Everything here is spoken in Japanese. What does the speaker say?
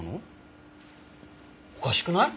おかしくない？